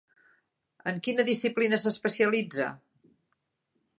En quina disciplina s'especialitza?